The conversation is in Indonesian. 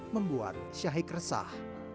membuat syahik resah